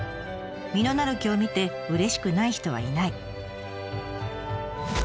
「実のなる木を見てうれしくない人はいない」。